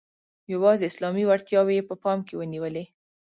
یوازي اسلامي وړتیاوې یې په پام کې ونیولې.